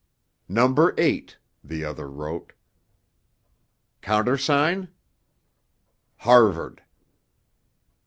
"Number Eight," the other wrote. "Countersign?" "Harvard."